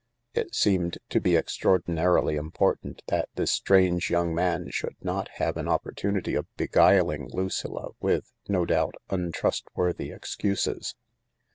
It seemed to be extraordinarily important that this strange young man should not have an opportunity of beguiling Lucilla with, no doubt, untrust worthy excuses.